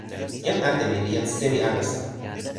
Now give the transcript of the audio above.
jan Atemi li jan sewi alasa.